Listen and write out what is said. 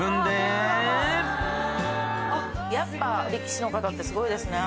やっぱ力士の方ってすごいですね。